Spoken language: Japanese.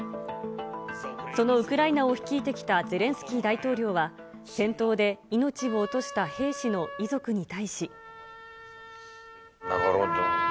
そのウクライナを率いてきたゼレンスキー大統領は、戦闘で命を落とした兵士の遺族に対し。